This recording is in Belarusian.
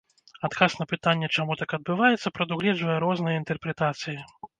Адказ на пытанне, чаму так адбываецца, прадугледжвае розныя інтэрпрэтацыі.